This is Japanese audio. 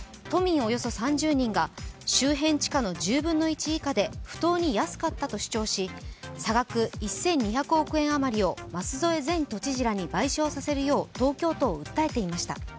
およそ３０人が周辺地価の１０分の１以下で不当に安かったと主張し、差額１２００億円余りを舛添前都知事らに賠償させるよう東京都を訴えていました。